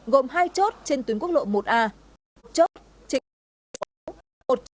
gồm hai chốt trên tuyến quốc lộ một a một chốt trên quốc lộ hai mươi bảy c